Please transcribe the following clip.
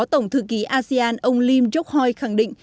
tổng thư ký asean ông lim jokhoy khẳng định